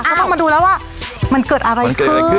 ก็ต้องมาดูแล้วว่ามันเกิดอะไรขึ้น